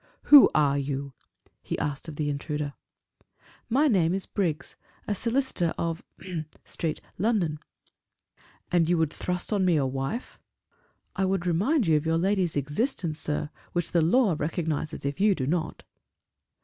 "Who are you?" he asked of the intruder. "My name is Briggs, a solicitor of Street, London." "And you would thrust on me a wife?" "I would remind you of your lady's existence, sir, which the law recognizes if you do not."